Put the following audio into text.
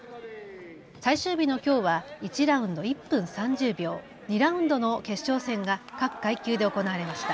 最終日のきょうは１ラウンド１分３０秒、２ラウンドの決勝戦が各階級で行われました。